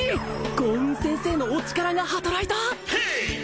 豪運先生のお力が働いた！？